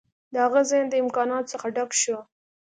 د هغه ذهن د امکاناتو څخه ډک شو